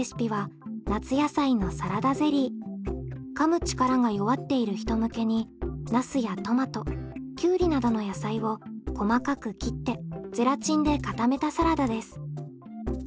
噛む力が弱っている人向けにナスやトマトきゅうりなどの野菜を細かく切ってゼラチンで固めたサラダです。